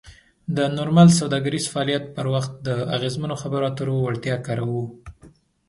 د نورمال سوداګریز فعالیت پر وخت د اغیزمنو خبرو اترو وړتیا کاروو.